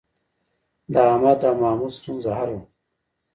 د احمد او محمود ستونزه حل وه